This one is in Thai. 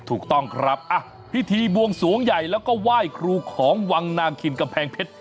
ถูกต้องครับพิธีบวงสวงใหญ่แล้วก็ไหว้ครูของวังนาคินกำแพงเพชร